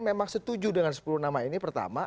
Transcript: memang setuju dengan sepuluh nama ini pertama